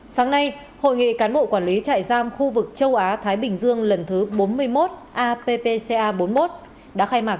sáng nay hội nghị cán bộ quản lý trại giam khu vực châu á thái bình dương lần thứ bốn mươi một appca bốn mươi một đã khai mạc